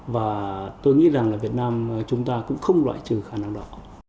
và tôi nghĩ rằng là việt nam chúng ta cũng không loại trừ khả năng đó